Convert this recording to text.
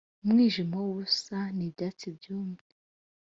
umwijima wubusa n'ibyatsi byumye